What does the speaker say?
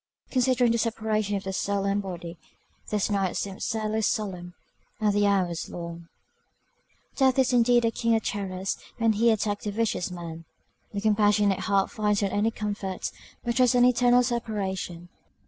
Considering the separation of the soul and body, this night seemed sadly solemn, and the hours long. Death is indeed a king of terrors when he attacks the vicious man! The compassionate heart finds not any comfort; but dreads an eternal separation.